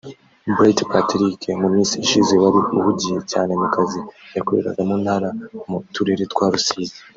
Bright Patrick mu minsi ishize wari uhugiye cyane mu kazi yakoreraga mu ntara mu turere twa Rusizi